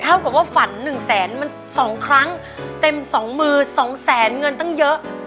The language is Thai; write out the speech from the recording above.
เท่ากับว่าฝันหนึ่งแสนมัน๒ครั้งเต็มสองมือสองแสนเงินตั้งเยอะ